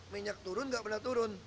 minyak turun nggak pernah turun